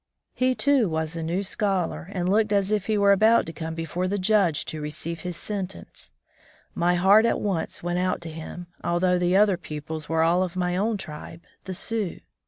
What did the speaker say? He, too, was a new scholar, and looked as if he were about to come before the judge to receive his sentence. My heart at once went out to him, although the 41 From the Deep Woods to Civilization other pupils were all of my own tribe, the Sioux.